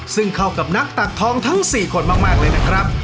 ซึ่งเข้ากับนักตักทองทั้ง๔คนมากเลยนะครับ